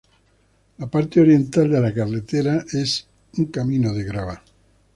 La parte oriental de la carretera es un camino de grava.